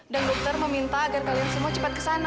dan dokter meminta agar kalian semua cepat kesana